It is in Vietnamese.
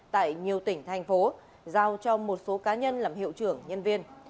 tại nhiều tỉnh thành phố giao cho một số cá nhân làm hiệu trưởng nhân viên